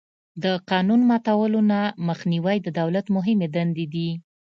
د قانون ماتولو نه مخنیوی د دولت مهمې دندې دي.